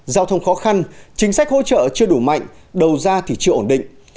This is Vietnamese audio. giao thông khó khăn chính sách hỗ trợ chưa đủ mạnh đầu ra thì chưa ổn định